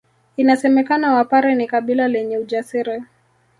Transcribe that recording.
Inasemekana Wapare ni kabila lenye ujasiri